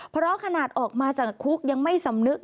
เพราะขนาดออกมาจากคุกยังไม่สำนึก